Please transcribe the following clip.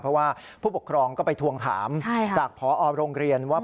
เพราะว่าผู้ปกครองก็ไปทวงถามจากพอโรงเรียนว่า